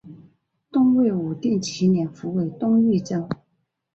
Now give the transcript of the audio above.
东魏武定七年复为东豫州。